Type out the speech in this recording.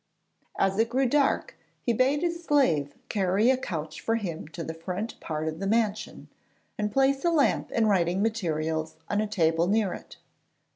] As it grew dark, he bade his slave carry a couch for him to the front part of the mansion, and place a lamp and writing materials on a table near it.